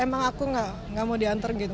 emang aku gak mau diantar gitu